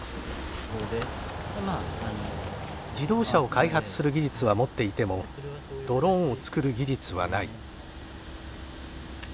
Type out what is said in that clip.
自動車を開発する技術は持っていてもドローンを作る技術はない。